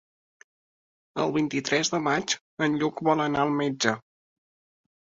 El vint-i-tres de maig en Lluc vol anar al metge.